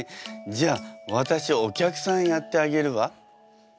じゃあ私お客さんやってあげるわ。